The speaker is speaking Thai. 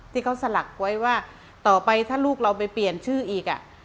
ที่เขาสลักไว้ว่าต่อไปถ้าลูกเราไปเปลี่ยนชื่ออีก